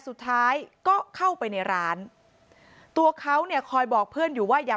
สุดท้ายก็เข้าไปในร้านตัวเขาเนี่ยคอยบอกเพื่อนอยู่ว่าอย่า